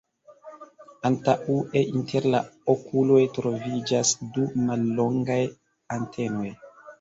Antaŭe inter la okuloj troviĝas du mallongaj antenoj.